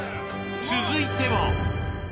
続いては。